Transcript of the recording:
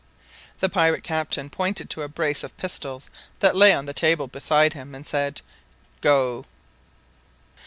The pirate captain pointed to a brace of pistols that lay on the table beside him, and said, "Go."